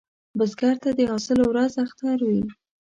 بزګر ته د حاصل ورځ اختر وي